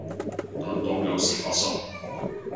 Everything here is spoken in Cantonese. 但當有事發生